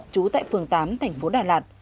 trú tại phường tám thành phố đà lạt